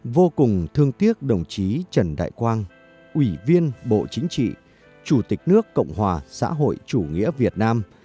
vô cùng thương tiếc đồng chí trần đại quang ủy viên bộ chính trị chủ tịch nước cộng hòa xã hội chủ nghĩa việt nam